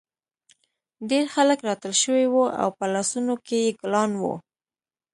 ډېر خلک راټول شوي وو او په لاسونو کې یې ګلان وو